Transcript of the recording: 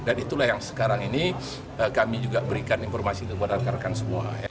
dan itulah yang sekarang ini kami juga berikan informasi kepada rekan rekan semua